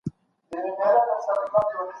انلاين کورس کي تمرینونه په دقت ترسره کړه.